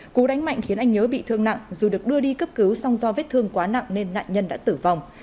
cú đánh mạnh khiến anh nhớ bị thương nặng dù được đưa đi cấp cứu xong do vết thương quá nặng nên nạn nhân đã tử vong